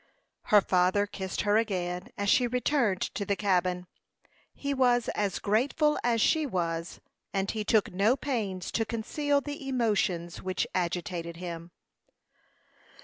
Her father kissed her again, as she returned to the cabin. He was as grateful as she was, and he took no pains to conceal the emotions which agitated him.